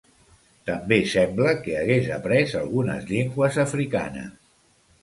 També sembla que hagués après algunes llengües africanes.